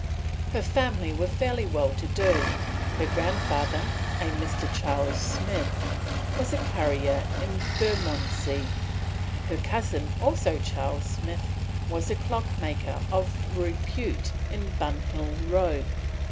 Her family were fairly well to do; her grandfather, Mr. Charles Smith, was a currier in Bermondsey; her cousin, also Charles Smith, was a clockmaker of repute in Bunhill Row.